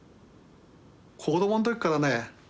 子供の時からね